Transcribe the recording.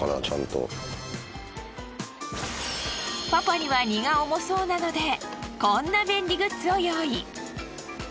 パパには荷が重そうなのでこんな便利グッズを用意。